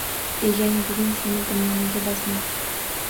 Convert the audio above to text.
– Egang bugun seni dimlamaga bosmoqchi